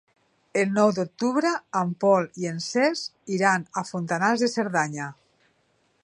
El nou d'octubre en Pol i en Cesc iran a Fontanals de Cerdanya.